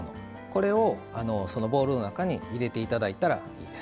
これをそのボウルの中に入れていただいたらいいです。